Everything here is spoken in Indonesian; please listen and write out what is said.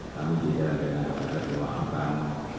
kami di jalan jalan yang ada ada memaafkan